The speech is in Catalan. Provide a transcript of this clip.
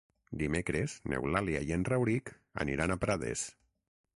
Dimecres n'Eulàlia i en Rauric aniran a Prades.